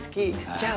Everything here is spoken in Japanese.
じゃあ